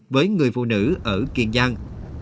với người phụ nữ ở kiên giang